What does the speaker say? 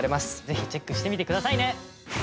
ぜひチェックしてみて下さいね！